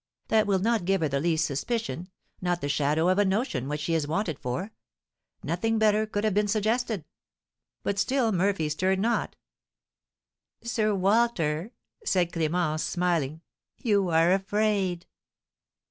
"That will not give her the least suspicion, not the shadow of a notion what she is wanted for. Nothing better could have been suggested." But still Murphy stirred not. "Sir Walter," said Clémence, smiling, "you are afraid!"